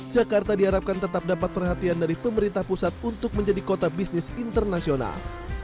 jakarta diharapkan tetap dapat perhatian dari pemerintah pusat untuk menjadi kota bisnis internasional